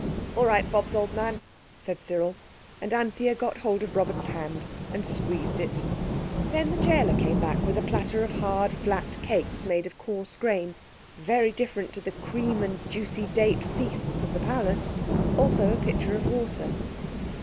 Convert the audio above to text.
"All right, Bobs, old man," said Cyril; and Anthea got hold of Robert's hand and squeezed it. Then the gaoler came back with a platter of hard, flat cakes made of coarse grain, very different from the cream and juicy date feasts of the palace; also a pitcher of water.